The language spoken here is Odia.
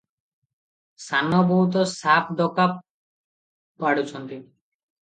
ସାନ ବୋହୂତ ସାଫ୍ ଡକା ପାଡୁଛନ୍ତି ।